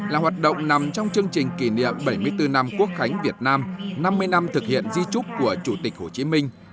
là hoạt động nằm trong chương trình kỷ niệm bảy mươi bốn năm quốc khánh việt nam năm mươi năm thực hiện di trúc của chủ tịch hồ chí minh